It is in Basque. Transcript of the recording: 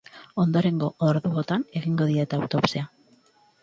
Ondorengo orduotan egingo diete autopsia.